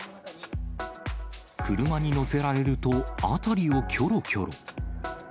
車にのせられると、辺りをきょろきょろ。